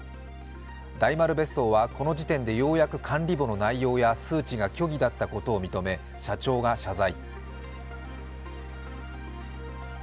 大丸別荘はこの時点でようやく管理簿の内容や数値が虚偽だったことを認め社長が謝罪。